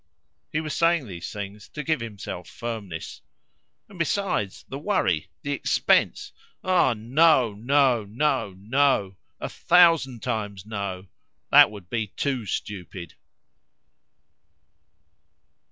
He was saying these things to give himself firmness. "And besides, the worry, the expense! Ah! no, no, no, no! a thousand times no! That would be too stupid."